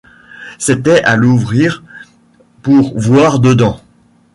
C’était à l’ouvrir pour voir dedans!